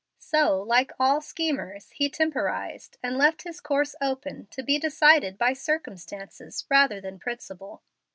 So like all schemers, he temporized, and left his course open to be decided by circumstances rather than principle.